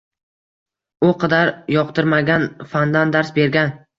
U qadar yoqtirmagan fandan dars bergan.